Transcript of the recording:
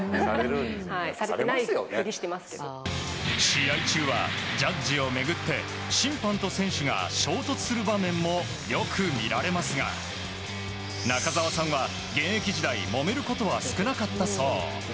試合中はジャッジを巡って審判と選手が衝突する場面もよく見られますが中澤さんは現役時代もめることは少なかったそう。